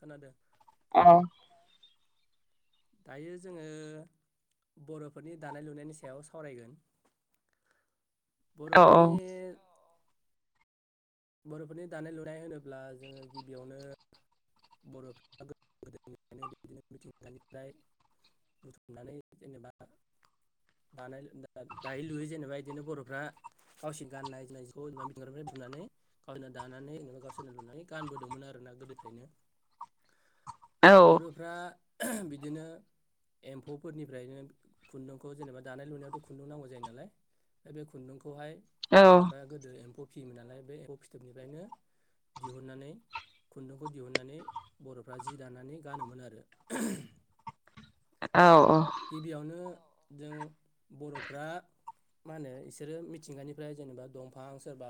खोनादों। औ दायो जोङो बरफोरनि दानाय लुनायनि सायाव सावरायगोन। बर'फोरनि बर'फोरनि दानाय लुनाय होनोब्ला जोङो गिबियावनो बरफोरा गोदोनिफ्रायनो बिदिनोमिथिंगानिफ्राय बुथुमनानै जेनेबा दानाय दायै लुयै जेनेबा इदिनो बरफ्रा गावसिनि गाननाय जोमनायखौ जेनेबा मिथिंगानिफ्राय बुथुमनानै गावसोरनो दानानै जेनेबा गावसोरनो लुनानै गानबोदोंमोन आरो ना गोदोफ्रायनो। बर'फ्रा ओ बिदिनो एम्फौफोरनिफ्रायनो खुन्दुंखौ जेनेबा दानाय लुनायावथ खुन्दुं नांगौ जायो नालाय दा बे खुन्दुंखौहाय बर'फ्रा गोदो एम्फौ फियोमोन नालाय बे एमफौ फिथोबनिफ्रायनो दिहुननानै खुन्दुंखौ दिहुननानै बरफ्रा जि दानानै गानोमोन आरो। औ औ गिबियावनो जों बरफ्रा मा होनो बिसोरो मिथिंगानिफ्राय जेनेबा दंफां सोरबा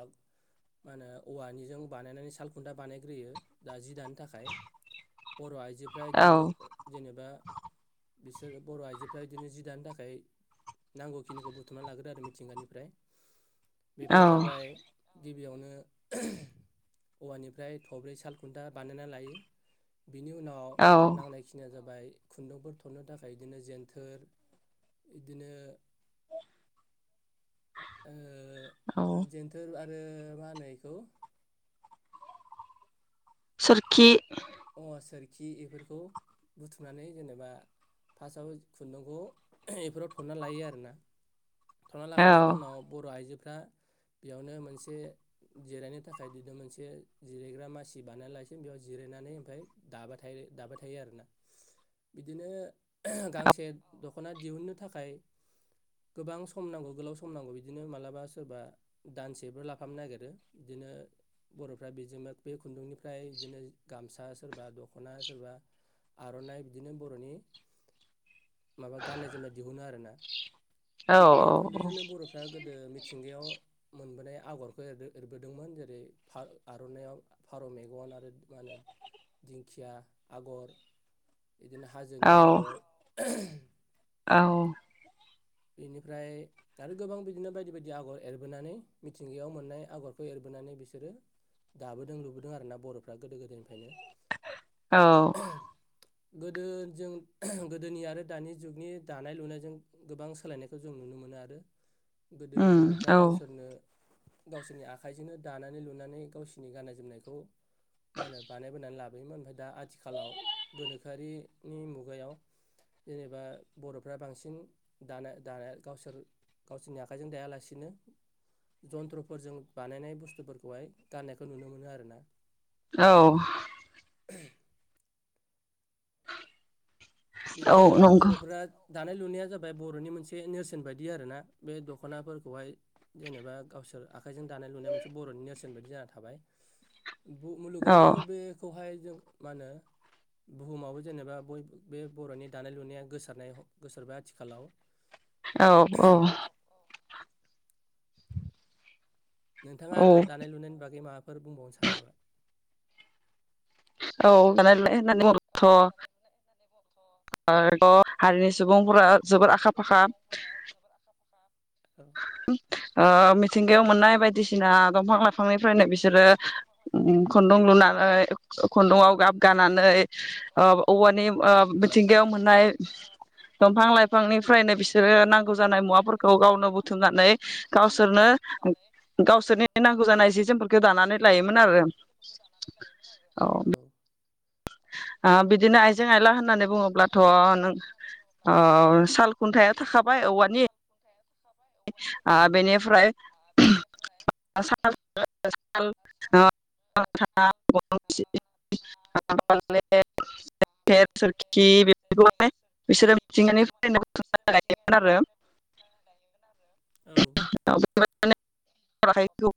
मा होनो औवानिजों बानायनानै सालखुन्था बानायग्रोयो दा जि दानो थाखाय बर आइजो फ्राय इदिनो जेनेबा बिसोरो बर आइजोफ्रा इदिनो जि दानो थाखाय नांगौखिनिखौ बुथुमना लाग्रो आरो मिथिंगानिफ्राय। बेफोरो जाबाय। गिबियावनो ओह औवानिफ्राय थब्रै साल खुन्था बानायना लायो। बिनि उनाव नांनाय खिनिया जाबाय बाय खुन्दुंफोर थननो थाखाय बिदिनो जेनथोर बिदिनो ओ जेन्थोर आरो मा होनो एखौ? सोरखि अवा सोरखि एफोरखौ बुथुमनानै जेनेबा फास्टआव खुन्दुंखौ बेफोराव थनना लायो आरोना। थना लाखांनायनि उनाव बर आइजो फ्रा बेयावनो मोनसे जिरायनो थाखाय बिनो मोनसे जिरायग्रा मासि बानायना लायसै बेयाव जिरायनानै फाय दाबाथाय दाबाय थायो आरोना। बिदिनो गांसे दखना दिहुननो थाखाय गोबां सम नांगौ गोलाव सम नांगौ बिदिनो मालाबा सोरबा दानसेफोर लाफामनो नागिरो बिदिनो बर'फ्रा बेजोंनो बे खुन्दुंनिफ्राय बिदिनो गामसा सोरबा दखना सोरबा आरनाइ बिदिनो बर'नि माबा गाननाय जोमनाय दिहुनो आरो ना। बे खुन्दुजोंनो बरफ्रा गोदो मिथिंगायाव मोनबोनाय आगरखौर एर एरबोदोंमोन जेरै फा आरनायाव फारौ मेगन आरो मा होनो दिंखिया आगर बिदिनो हाजोनि आगर [unintelligible] औ बेनिफ्राय आरो गोबां बिदिनो बायदि बायदि आगर एरबोनानै मिथिंगायाव मोननाय आगरखौ एरबोनानै बिसोरो दाबोदों लुबोदों आरोना बर'फ्रा गोदो गोदायनिफ्रायनो औ गोदो जों गोदोनि आरो दानि जुगनि दानाय लुनायजों गोबां सोलायनायखौ जों नुनो मोनो आरो गोदो बर'फ्रा गावसोरनो गावसोरनि आखाइजोंनो दानानै लुनानै गावसोरनि गाननाय जोमनायखौ मा होनो बानायबोनानै लाबोयोमोन ओमफाय दा आथिखालाव गोनोखोआरिनि मुगायाव जेनेबा बर'फ्रा बांसिन दाना दाना गावसोर गावसोरनि आखाइजों दायालासिनो जन्थ्रफोरजों बानायनाय बुस्थुफोरखौहाय गाननायखौ नुनो मोनो आरो ना। औ बिदिनो बरफोरा दानाय लुनाया जाबाय बर'नि मोनसे नेरसोन बायदि आरोना बे दख'नाफोरखौहाय जेनेबा गावसोर आखाइजों दानाय लुनाया मोनसे बर'नि नेरसोन बायदि जाना थाबाय। बुमुलुगावबो बेखौहाय जों मा ओनो बुहुमावबो जेनेबा बयबो बे बरनि दानाय लुनाया गोसारनाय गोसारबाय आथिखालाव औ औ नोंथाङा आरो दानाय लुनायनि बागै माबा फोर बुंबावनो सानो नामा? औ दानाय लुनाय माने अरथ' [unintelligible] हारिनि सुबुंफोरा जोबोर आखा फाखा। [unintelligible] ओ मिथिंगायाव मोननाय बायदिसिना दंफा-लाइफांनिफ्रायनो बिसोरो उम खुन्दुं लुनानै खुन्दुंआव गाब दानानै औ औवानि ओ मिथिंगायाव मोननाय दंफां लाइफांनिफ्रायनो बिसोरो नांगौ जानाय मुवाफोरखौ गावनो नानै गावसोरनो गावसोरनि नांगौ जानाय जि जोमफोरखौ दानानै लायोमोन आरो। औ अ बिदिनो आइजें आइला होननानै बुङोब्लाथ नों ओ साल खुन्थाया थाखाबाय औवानि ओ बेनिफ्राय [unintelligible] [unintelligible] सोरखि बेफोरखौय बिसोरो मिथिंगानिफ्रायनो लायोमोन आरो। [unintelligible] [unintelligible]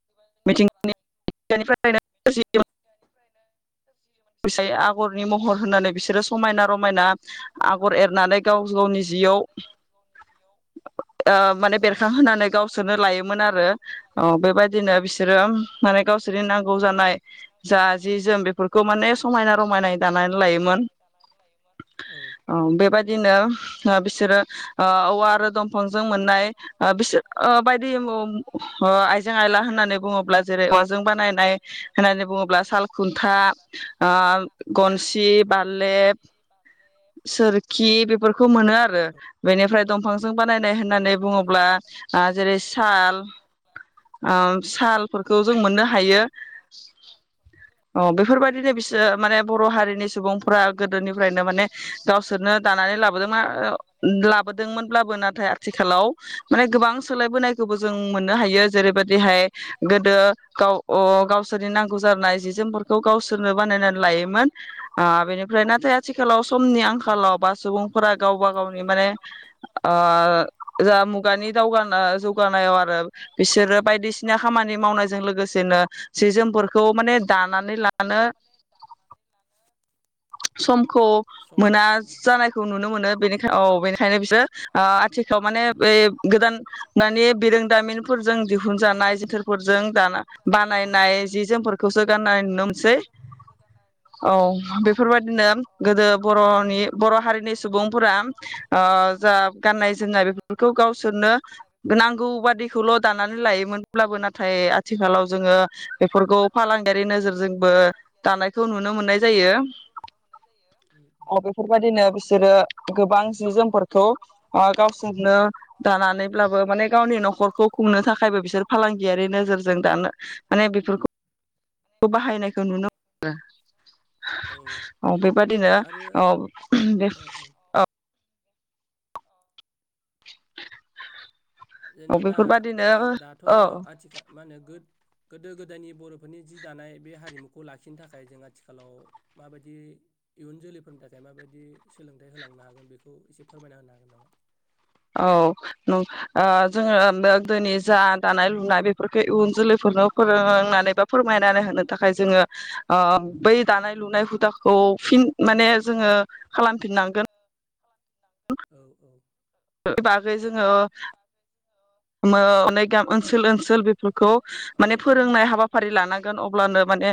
आगरनि महर होननानै बिसोरो समायना रमायना आगर एरनानै गाव गावनि जियाव [unintelligible] ओ माने बेरखांहोनानै गावसोनो लायोमोन आरो ओ बेबायदिनो बिसोरो माने गावसोरनि नांगौ जानाय जा जि जोम बेफोरखौ माने समायना रमायनायै दाना लायोमोन। मोननाय बिसोर बायदि ओ आइला होननानै बुङोब्ला जेरै औवाजों बानायनाय होननानै बुङोब्ला साल खुन्था ओ गनसि बालेब सोरखि बेफोरखौ मोनो आरो बेनिफ्राय दंफांजों बानायनाय होननानै बुङोब्ला ओ जेरै साल ओ सालफोरखौ जों मोननो हायो अ बेफोरबादिनो बिसोर माने बर हारिनि सुबुंफ्रा गोदोनिफ्रायनो माने गावसोरनो दानानै लाबोदोंमोन लाबोदोंमोनब्लाबो नाथाय आथिखालाव माने गोबां सोलायबोनायखौबो जों मोननो हायो जेरैबायदिहाय गोदो गाव गावसोरनि नांगौ जानाय जि जोमफोरखौ गावसोरनो बानायनानै लायोमोन ओ बेनिफ्राय नाथाय आथिखालाव समनि आंखालाव बा सुबुंफोरा गावबा गावनि माने ओ जा मुगानि दावगाना जौगानायाव आरो बिसोरो बायदिसिना खामानि मावनायजों लोगोसेनो जि जोमफोर खौ माने दानानै लानो समखौ मोना जानायखौ नुनो मोनो बेनिखाय औ बेनिखायनो बिसोर आथिखाल माने बे गोदान मानि बिरोंदामिनफोरजों दिहुनजानाय जोथोरफोरजों दाना बानायनाय जि जोमफोरखौसो गाननाय नुनो मोनसै औ बे बेफोरबादिनो गोदो बर' नि बर' हारिनि सुबुंफोरा जा ओ गाननाय जोमनाय बेफोरखौ गावसोरनो नांगौ बादिखौल दानानै लायोमोनब्लाबो नाथाय आथिखालाव जोङो बेफोरखौ फालांगि नोजोरजोंबो दानायखौ नुनो मोननाय जायो। अ बेफोरबादिनो बिसोरो गोबां जि जोमफोरखौ ओ गावसोरनो दानानैब्लाबो माने गावनि न'खरखौ खुंनो थाखायबो बिसोर फालांगियारि नोजोरजों दानो माने बेफोरखौ ओ बाहायनायखौ नुनो मोनो। औ बेबादिनो औ बे औ [unintelligible] जेनेबा दाथ आथिखाल मा होनो गोद गोदो गोदायनि बर' फोरनि जि दानाय बे हारिमुखौ लाखिनो थाखाय जों आथिखालाव माबायदि इयुन जोलैफोरनि थाखाय माबायदि सोलोंथाइ होलांनो हागोन बेखौ इसे फोरमायना होनो हागोन नामा? औ ओ जोङो दिनै जा दानाय लुनाय बेफोरखौ इयुन जोलैफोरनो फोरोंनानै बा फोरमाय नानै होनो थाखाय जोंङो ओ बै दानाय लुनाय हुदा खौ फिन माने जोङो खालामफिननांगोन। औ औ [unintelligible] बागै जोङो ओ अनेक ग ओनसोल ओनसोल बेफोरखौ माने फोरोंनाय हाबाफारि लानांगोन अब्लानो माने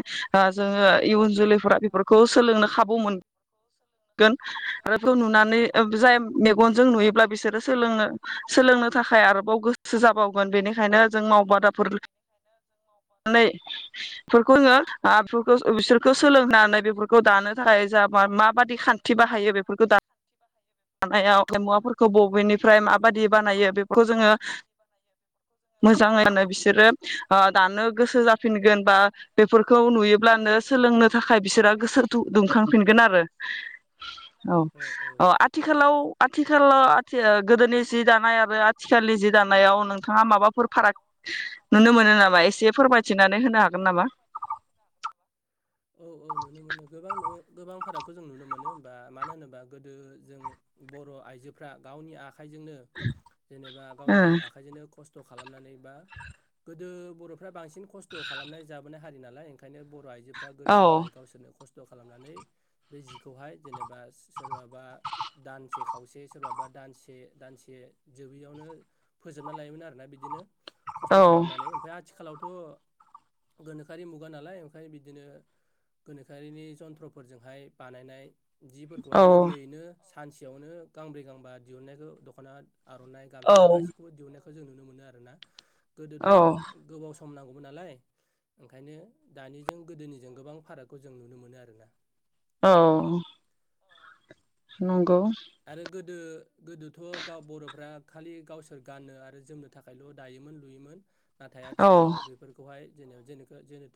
जोङो इयुन जोलैफोरा बेफोरखौ सोलोंनो खाबु मोनगोन आरो बेखौ नुनानै ओ जाय मेगनजों नुयोब्ला बिसोरो सोलोङो सोलोंनो थाखाय आरोबाव गोसो सो जाबावगोन बेनिखायनो जों मावबादाफोरफोरखौ जोङो बेफोरखौ बिसोरखौ सोलोंनानै बेफोरखौ दानो थाखाय जा मा माबादि खान्थि बाहायो बेफोरखौ दा थानायाव मुवाफोरखौ बबेनिफ्राय माबादि बानायो बेखौ जोङो मोजाङानो बिसोरो दानो गोसो जाफिनगोन बा बेफोरखौ नुयोब्लानो सोलोंनो थाखाय बिसोरो गोसो दुंखांफिनगोन आरो औ आथिखाल आथिखालाव आथि गोदोनि जि दानाय आरो आथिखालनि जि दानायाव नोंथाङा माबाफोर फाराग नुनो मोनो नामा एसे फोरमायथिनानै होनो हागोन नामा। औ औ नुनो मोनो गोबां गोबां फारागखौ जों नुनो मोनो होमबा मानो होनोबा गोदो जों बर' आइजोफ्रा गावनि आख आखायजोंनो जेनेबा गावनि आखायजोंनो खस खस्थ खालामनानै बा गोदो बर'फ्रा बां बिदि खस्थ खालामनाय जाबोनाय हारि होन ओंखायनो। आइजोफ्रा गोदो गोदाय गावसोरनो खस्थ' खस्थ खालामनानै बे जिखौहाय जेनेबा सोरबाबा दानसे खावसे सोरबाबा दानसे-दानसे जोबैयावनो फोजोबना लायोमोन आरोना बिदिनो। खस्थ' खालामनानै ओमफ्राय आथिखालाव थ गोनोखोआरि मुगा नालाय ओमफ्राय बिदिनो गोनोखोआरिनि जन्थ्रफोरजोंहाय बानायनाय जिफोरखौहाय गोरलैयैनो सानसेयावनो गांब्रै गांबा दिहुननायखौ दखना आरनाइ गामसा गासिखौबो दिहुननाय खौ जों नुनो मोनो आरोना। गोदोथ गोबाव सम। सम नांगौमोन नालाय ओंखायनो दानिजों गोदोनिजों गोबां फारागखौ जों नुनो मोनो आरोना औ। नंगौ। आरो गोदो गोदोथ गाव बर'फ्रा खालि गावसोर गाननो आरो जोमनो थाखायल दायोमोन लुयोमोन। नाथाय आथिखालाव बेफोरखौहाय जेनेबा जेन जेनेथ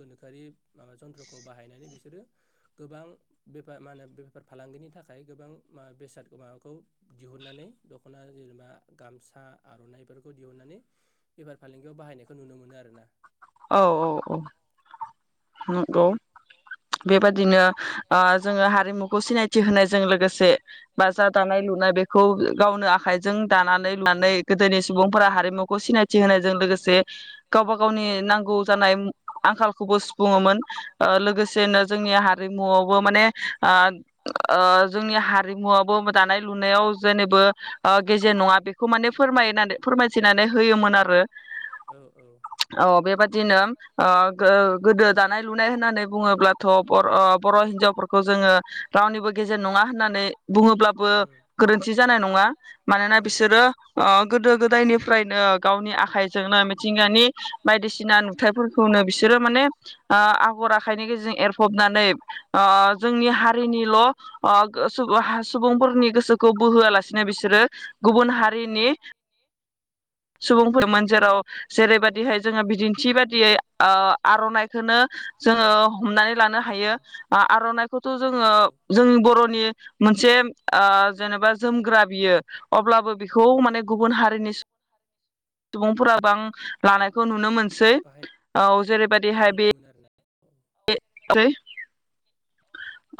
गोनोखोआरि माबा ओ जन्थ्रखौ बाहायनानै बिसोरो गोबां बेफा मा होनो बेफार फालांगिनि थाखाय गोबां वा बेसाद माबाखौ दिहुननानै दखना जेनेबा गामसा आरनाइफोरखौ दिहुननानै बेफार फालांगियाव बाहायनायखौ नुनो मोनो आरोना। औ औ औ नंगौ बेबादिनो ओ जोङो हारिमुखौ सिनायथि होनायजों लोगोसे बा जा दानाय लुनाय बेखौ गावनो आखाइजों दानानै लुनानै गोदोनि सुबुंफोरा हारिमुखौ सिनायथि होनायजों लोगोसे गावबा गावनि नांगौ जानाय आंखालखौबो लोगोसेनो जोंनि हारिमुआवबो माने जोंनि हारिमुआवबो दानाय लुनायाव जेेनिबो गेजेन नङा बेखौ माने फोरमाय फोरमायथिनानै होयोमोन आरो। औ बे बायदिनो ओ गो गोदो दानाय लुनाय होननानै बुङोब्लाथ' बर' बर' हिनजावफोरखौ जोङो रावनिबो गेजेर नङा होननानै बुङोब्लाबो गोरोन्थि जानाय नङा मानोना बिसोरो ओ गोदो गोदायनिफ्रायनो गावनि आखाइजोंनो मिथिंगानि बायदिसिना नुथायफोरखौनो बिसोरो माने ओ आगर आखाइनि गेजेरजों एरफबनानै ओ जोंनि हारिनिल' ओ सुब सु सुबुंफोरनि गोसोखौ बोहोआलासिनो बिसोरो गुबुन हारिनि सुबुंफोरमोन जेराव जेरैबायद जेरै हाय जोङो बिदिन्थि बादियै ओ आर'नाइ खोनो जोङो हमनानै लानो हायो ओ आर'नाइखौथ' जोङो जोंनि बर'नि मोनसे ओ जेनेबा जोमग्रा बियो अब्लाबो बिखौ माने गुबुन हारिनि सुबुं सुबुंफोरा बां लानायखौ नुनो मोनसै औ जेरै बादिहाय [unintelligible] [unintelligible]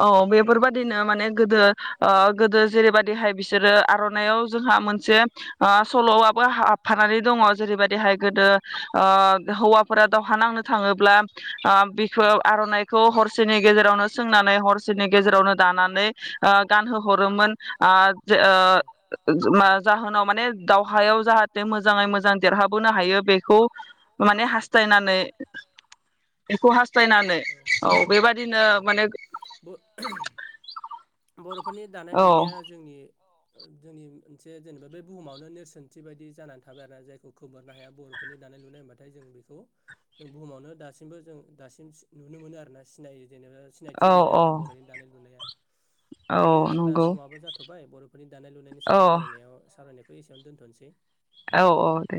औ बेफोरबादिनो माने गोदो ओ गोदो जेरैबादिहाय बिस बिसोरो आर'नाइआव जोंहा मोनसे ओ सल'आबो हाबफानानै दङ जेरैबादिहाय गोदो ओ हौवाफोरा दावहा नांनो थाङोब्ला ओ बि खौ आर'नाइखौ हरसेनि गेजेरावनो सोंनानै हरसेनि गेजेरावनो दानानै ओ गानहो हरोमोन ओ ओ मा जाहोनाव माने दावहायाव जाहाथे मोजाङै मोजां देरहाबोनो हायो बेखौ माने हास्थायनानै बिखौ हास फायनानै औ बेबादिनो माने खरनि दानाय लुनाया जोंनि औ ओ जोंनि मोनसे जेनेबा बे बुहुमावनो नेर्सोनथि बायदि जानानै थाबाय आरोना जायखौ खोमोरनो हाया बर'फोरनि दानाय लुनाय होनबाथाय जों बेखौ जों बुहुमावनो दासिमबो जों दासिम सि नुनो मोनो आरोना सिनायो। जेनेबा सिनायथि मोनबाय आरो ना बर'नि दानाय लुनाया। दायो जोंना समाबो जाथ'बाय बर' बे दानाय लुनायनि सायाव सावरायनायाव सावरायनाय एसेयावनो दोनथ'नोसै। औ औ दे।